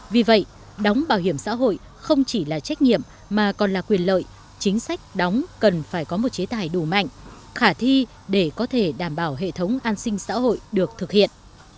vì vậy đóng bảo hiểm xã hội không chỉ là trách nhiệm mà còn là quyền lợi chính sách đóng cần phải có một chế tài đủ mạnh khả thi để có thể đảm bảo hệ thống an sinh xã hội được thực hiện